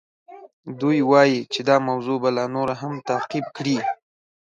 دوی وایي چې دا موضوع به لا نوره هم تعقیب کړي.